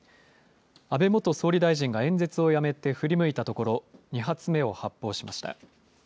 安倍元総理大臣が演説をやめて振り向いたところ２発目を発砲しました。